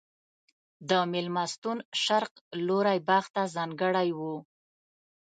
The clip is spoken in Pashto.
د مېلمستون شرق لوری باغ ته ځانګړی و.